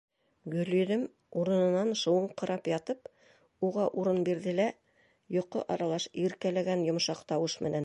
Гөлйөҙөм, урынынан шыуыңҡырап ятып, уға урын бирҙе лә, йоҡо аралаш иркәләгән йомшаҡ тауышы менән: